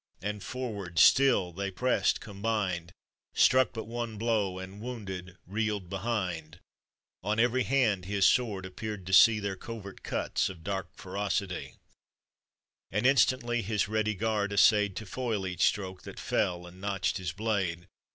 and forward still they pressed com bined, Struck but one blow, and, wounded, reeled behind; On every hand his sword appeared to see Their covert cuts of dark ferocity, And instantly his ready guard essayed To foil each stroke that fell and notched his blade.